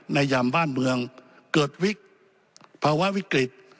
ในยามบ้านเมืองเกิดวิกริจ